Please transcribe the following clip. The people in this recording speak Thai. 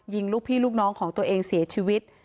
ยิงลูกพี่ลูกน้องของตัวเองเสียชีวิต